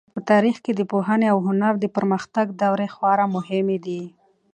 په تاریخ کې د پوهنې او هنر د پرمختګ دورې خورا مهمې دي.